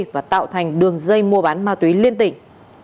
và tạo thành đường dây mua bán ma túy liên tỉnh